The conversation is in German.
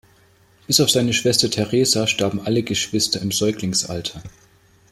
Bis auf seine Schwester Teresa starben alle Geschwister im Säuglingsalter.